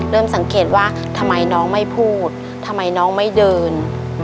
สังเกตว่าทำไมน้องไม่พูดทำไมน้องไม่เดิน